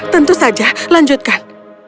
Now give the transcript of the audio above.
tentu saja lanjutkan